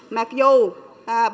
mặc dù bộ giao thông vận tải